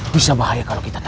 bisa bahaya kalau kita